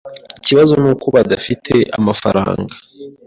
Ikibazo nuko badafite amafaranga.